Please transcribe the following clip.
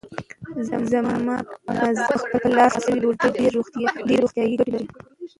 زما په نظر په خپل لاس پخه شوې ډوډۍ ډېرې روغتیايي ګټې لري.